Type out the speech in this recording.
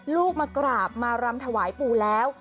ลูกมากราบมารำถวายปู่แล้ว